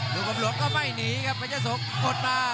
ลูกอำรวงก็ไม่หนีครับเพชรเจ้าโสกดมา